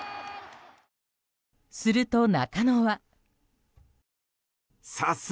すると、中野は。